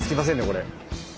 これ。